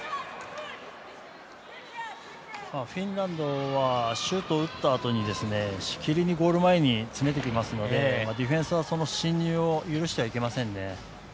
フィンランドはシュートを打ったあとにしきりにゴール前に詰めてきますのでディフェンスはその進入を許してはいけません。